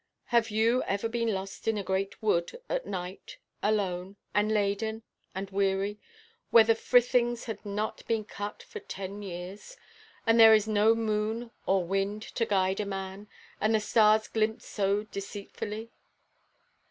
Have you ever been lost in a great wood at night, alone, and laden, and weary, where the frithings have not been cut for ten years, when there is no moon or wind to guide a man, and the stars glimpse so deceitfully?